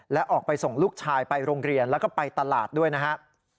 และออกไปส่งลูกชายไปโรงเรียนแล้วก็ไปตลาดด้วยนะครับ